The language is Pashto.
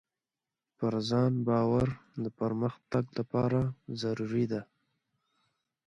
پر ځان باور د پرمختګ لپاره ضروري دی.